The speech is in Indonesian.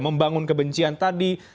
membangun kebencian tadi